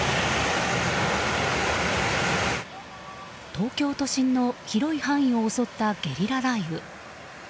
東京都心の広い範囲を襲ったゲリラ雷雨。